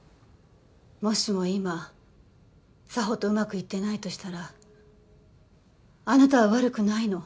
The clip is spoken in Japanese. もしも今沙帆とうまくいってないとしたらあなたは悪くないの。